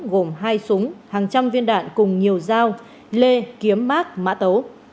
gồm hai súng hàng trăm viên đạn cùng nhiều dao lê kiếm mát mã tấu